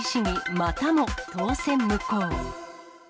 またも、当選無効。